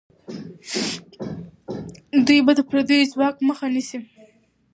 دوی به د پردیو ځواک مخه نیسي.